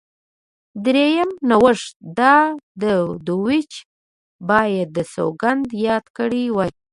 درېیم نوښت دا و دوج باید سوګند یاد کړی وای.